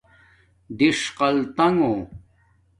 دِݽقال تنݣݹ